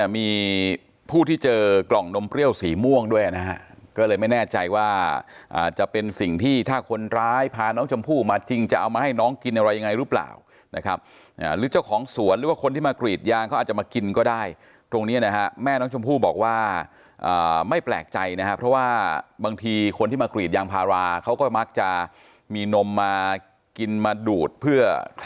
มีผู้ที่เจอกล่องนมเปรี้ยวสีม่วงด้วยนะฮะก็เลยไม่แน่ใจว่าจะเป็นสิ่งที่ถ้าคนร้ายพาน้องชมพู่มาจริงจะเอามาให้น้องกินอะไรยังไงหรือเปล่านะครับหรือเจ้าของสวนหรือว่าคนที่มากรีดยางเขาอาจจะมากินก็ได้ตรงนี้นะฮะแม่น้องชมพู่บอกว่าไม่แปลกใจนะครับเพราะว่าบางทีคนที่มากรีดยางพาราเขาก็มักจะมีนมมากินมาดูดเพื่อ